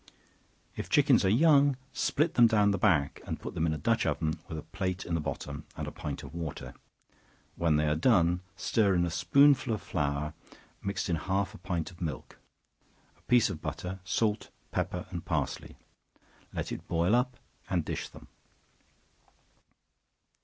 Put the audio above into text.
If chickens are young, split them down the back, and put them in a dutch oven, with a plate in the bottom, and a pint of water; when they are done, stir in a spoonful of flour, mixed in half a pint of milk, a piece of butter, salt, pepper and parsley; let it boil up and dish them.